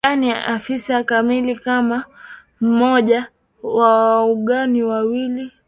yaani afisa kamili kama mmoja wa Wauganda wawili